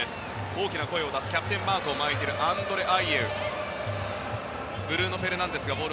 大きな声を出すキャプテンマークを巻いているアンドレ・アイェウ。